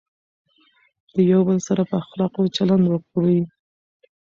د یو بل سره په اخلاقو چلند وکړئ.